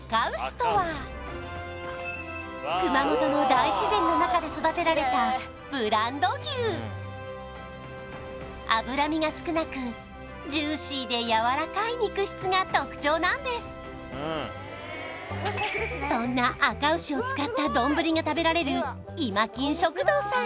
熊本の大自然の中で育てられたブランド牛脂身が少なくジューシーでやわらかい肉質が特徴なんですそんなすいません・こんにちは・